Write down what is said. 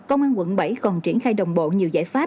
công an quận bảy còn triển khai đồng bộ nhiều giải pháp